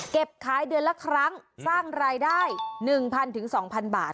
ขายเดือนละครั้งสร้างรายได้๑๐๐๒๐๐บาท